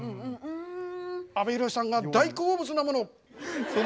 阿部寛さんが大好物なもの。